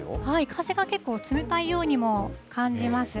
風が結構冷たいようにも感じます。